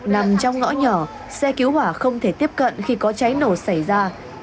nằm trong ngõ nhỏ xe cứu hỏa không thể tiếp cận khi có cháy nổ xảy ra